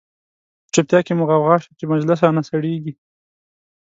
په چوپتیا کی مو غوغا شه، چه مجلس را نه سړیږی